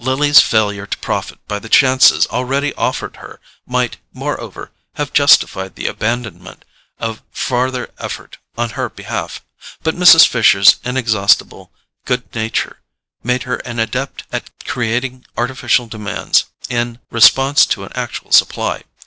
Lily's failure to profit by the chances already afforded her might, moreover, have justified the abandonment of farther effort on her behalf; but Mrs. Fisher's inexhaustible good nature made her an adept at creating artificial demands in response to an actual supply.